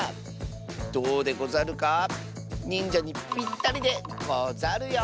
どうでござるか？にんじゃにぴったりでござるよ。